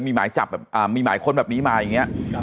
มีหมายค้นแบบนี้มาอย่างเงี้ย